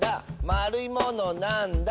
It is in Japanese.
「まるいものなんだ？」